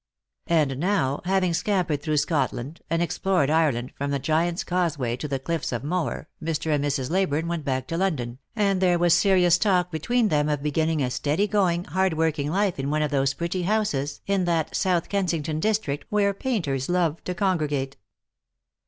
And now, having scampered through Scotland, and explored Ireland, from the Giant's Causeway to the cliffs of Moher, Mr. and Mrs. Leyburne went back to London, and there was serious talk between them of beginning a steady going, hard working life in one of those pretty houses in that South Kensington district where painters love to congregate.